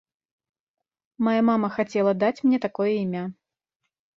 Мая мама хацела даць мне такое імя.